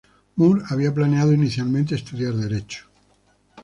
Moore había planeado inicialmente estudiar derecho.